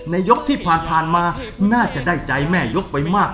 ยกที่ผ่านมาน่าจะได้ใจแม่ยกไปมาก